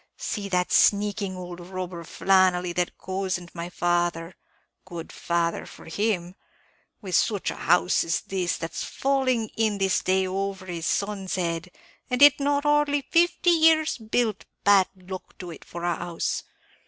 See that sneaking ould robber, Flannelly, that cozened my father good father for him with such a house as this, that's falling this day over his son's head, and it not hardly fifty years built, bad luck to it for a house!